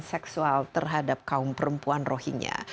seksual terhadap kaum perempuan rohingya